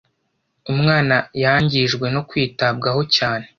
Umwana yangijwe no kwitabwaho cyane.